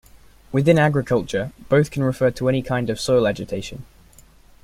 Within agriculture, both can refer to any kind of soil agitation.